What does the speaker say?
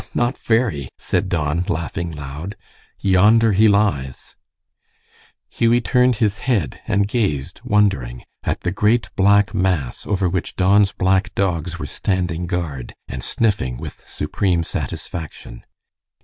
"Not very," said Don, laughing loud. "Yonder he lies." Hughie turned his head and gazed, wondering, at the great black mass over which Don's black dogs were standing guard, and sniffing with supreme satisfaction.